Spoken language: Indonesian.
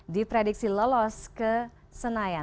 diprediksi lolos ke senayan